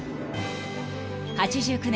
［８９年